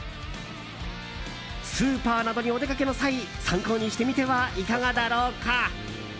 スーパーなどにお出かけの際参考にしてみてはいかがだろうか？